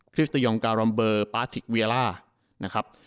คริสตยองกาลอมเบอร์ป้าสิกเวียล่า